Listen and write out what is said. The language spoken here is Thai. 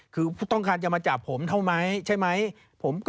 คือผู้ต้องการจะมาจับผมเท่าไหมใช่ไหม